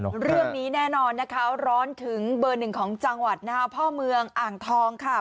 เรื่องนี้แน่นอนนะคะร้อนถึงเบอร์หนึ่งของจังหวัดนะคะพ่อเมืองอ่างทองค่ะ